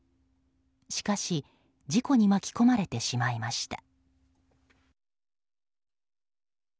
しかし、事故に巻き込まれてしまいました。